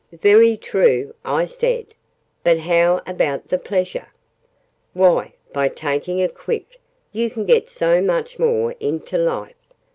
"Very true," I said, "but how about the pleasure?" "Why, by taking it quick, you can get so much more into life.